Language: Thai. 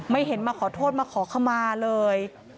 เห็นมาขอโทษมาขอขมาเลย